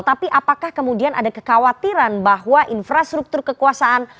tapi apakah kemudian ada kekhawatiran bahwa infrastruktur kekuasaan